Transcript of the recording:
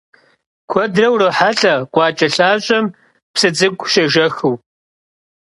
Kuedre vurohelh'e khuaç'e lhaş'em psı ts'ık'u şêjjexıu.